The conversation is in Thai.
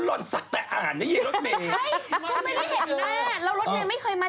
โหละซึ่งพี่น้ำหวาน